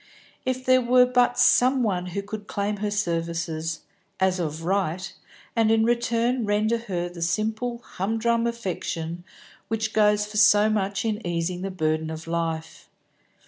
If there were but some one who could claim her services, as of right, and in return render her the simple hum drum affection which goes for so much in easing the burden of life.